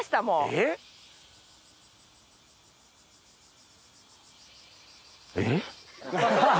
えぇ？えっ？